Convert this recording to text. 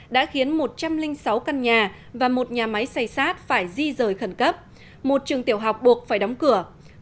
đã khiến một trăm linh sáu căn nhà và một nhà máy xay sát phải di rời khẩn cấp một trường tiểu học buộc phải đóng cửa